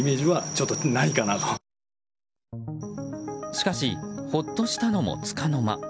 しかしほっとしたのも、つかの間。